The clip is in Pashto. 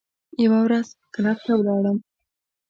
یوه ورځ کلب ته ولاړم.